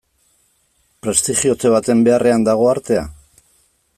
Prestigiotze baten beharrean dago artea?